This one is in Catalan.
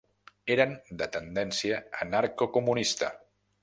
Eren de tendència anarcocomunista.